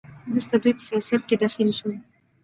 وروسته دوی په سیاست کې دخیل شول.